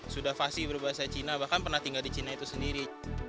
sudah fasi berbahasa cina bahkan pernah tinggal di china itu sendiri